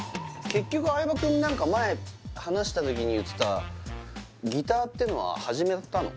結局相葉君何か前話した時に言ってたギターってのは始めたの？